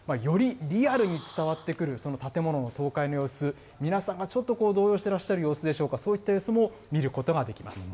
よりリアルに伝わってくるその建物の倒壊の様子、皆さんがちょっと動揺していらっしゃる様子でしょうか、そういった様子も見ることができます。